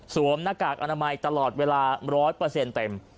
หน้ากากอนามัยตลอดเวลา๑๐๐เต็ม